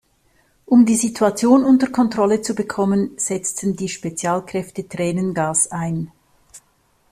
Um die Situation unter Kontrolle zu bekommen, setzten die Spezialkräfte Tränengas ein.